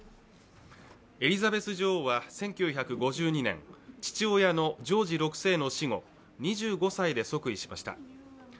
エリザベス女王は１９５２年、父親のジョージ６世の死後、２５歳で即位しました。